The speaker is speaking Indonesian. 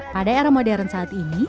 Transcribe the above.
pada era modern saat ini